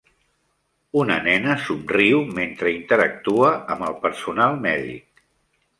Una nena somriu mentre interactua amb el personal mèdic